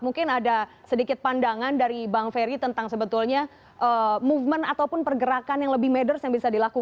mungkin ada sedikit pandangan dari bang ferry tentang sebetulnya movement ataupun pergerakan yang lebih mathers yang bisa dilakukan